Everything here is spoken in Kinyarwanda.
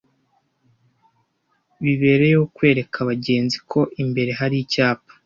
bibereyeho kwereka abagenzi ko imbere hari Icyapa